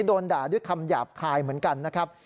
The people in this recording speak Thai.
โดนด่าด้วยคำหยาบคายเหมือนกันนะครับ